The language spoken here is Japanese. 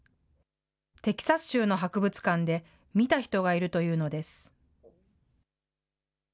テキサス州の博物館で見た人がいるというのです。